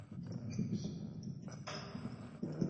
中麝鼩为鼩鼱科麝鼩属的动物。